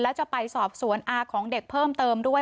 แล้วจะไปสอบสวนอาของเด็กเพิ่มเติมด้วย